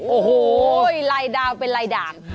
โอ้โหลายดาวเป็นลายด่าง